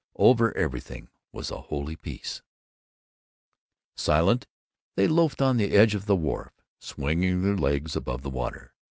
Over everything was a holy peace. Silent, they loafed on the edge of the wharf, swinging their legs above the water.